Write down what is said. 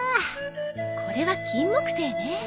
これはキンモクセイね。